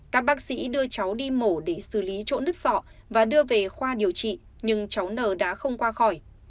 các bác sĩ đưa cháu đi mổ để xử lý chỗ nứt sọ và đưa về khoa điều trị nhưng cháu nờ đã không qua khỏi